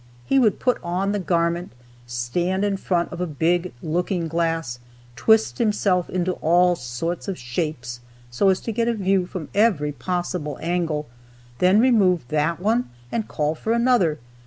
He would put on the garment, stand in front of a big looking glass, twist himself into all sorts of shapes so as to get a view from every possible angle, then remove that one, and call for another.